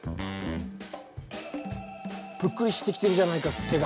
ぷっくりしてきてるじゃないか手が。